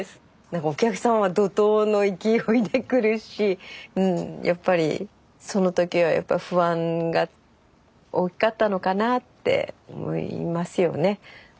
何かお客さんは怒とうの勢いで来るしやっぱりその時はやっぱ不安が大きかったのかなって思いますよね。